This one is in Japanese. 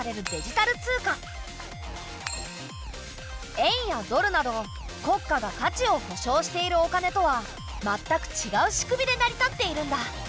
円やドルなど国家が価値を保証しているお金とはまったくちがう仕組みで成り立っているんだ。